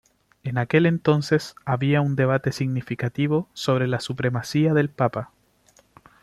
En aquel entonces había un debate significativo sobre la supremacía del Papa.